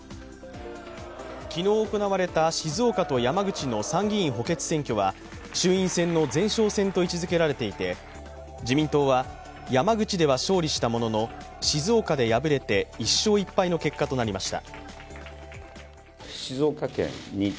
昨日行われた静岡と山口の参議院補欠選挙は衆院選の前哨戦と位置づけられていて、自民党は山口では勝利したものの静岡で敗れて１勝１敗の結果となりました。